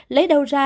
lấy đâu ra